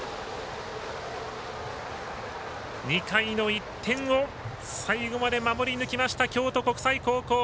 ２回の１点を最後まで守り抜きました京都国際高校。